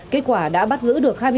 kết quả đã bắt giữ được